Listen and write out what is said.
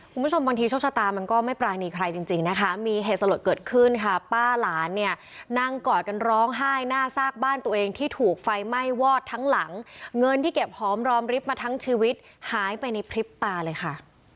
คุณผู้ชมบางทีโชคชะตามันก็ไม่ปรานีใครจริงจริงนะคะมีเหตุสลดเกิดขึ้นค่ะป้าหลานเนี่ยนั่งกอดกันร้องไห้หน้าซากบ้านตัวเองที่ถูกไฟไหม้วอดทั้งหลังเงินที่เก็บหอมรอมริบมาทั้งชีวิตหายไปในพริบตาเลยค่ะ